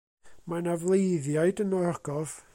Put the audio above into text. Mae 'na fleiddiaid yn yr ogof.